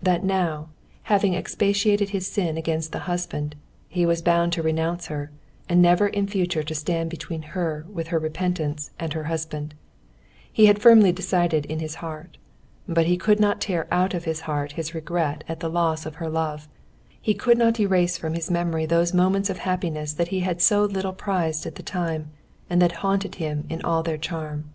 That now, having expiated his sin against the husband, he was bound to renounce her, and never in future to stand between her with her repentance and her husband, he had firmly decided in his heart; but he could not tear out of his heart his regret at the loss of her love, he could not erase from his memory those moments of happiness that he had so little prized at the time, and that haunted him in all their charm.